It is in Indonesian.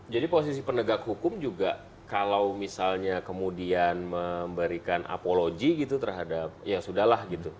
jadi posisi pendegak hukum juga kalau misalnya kemudian memberikan apologi gitu terhadap ya sudah lah gitu